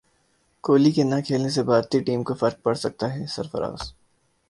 کوہلی کے نہ کھیلنے سے بھارتی ٹیم کو فرق پڑسکتا ہے سرفراز